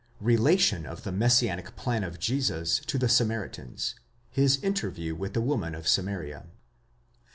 RELATION OF THE MESSIANIC PLAN OF JESUS TO THE SAMARITANS. HIS INTERVIEW WITH THE WOMAN OF SAMARIA.